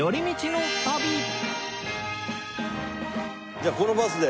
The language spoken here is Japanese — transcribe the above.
じゃあこのバスで。